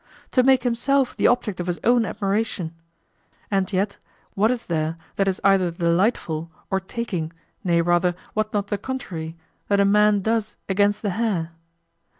To make himself the object of his own admiration? And yet, what is there that is either delightful or taking, nay rather what not the contrary, that a man does against the hair?